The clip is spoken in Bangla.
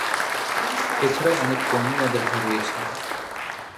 এছাড়াও অনেক কওমি মাদরাসা রয়েছে।